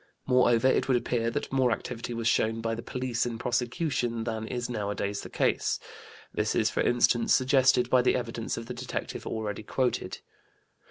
Moreover, it would appear that more activity was shown by the police in prosecution than is nowadays the case; this is, for instance, suggested by the evidence of the detective already quoted.